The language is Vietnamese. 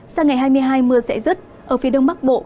sang ngày hai mươi hai mưa sẽ rứt ở phía đông bắc bộ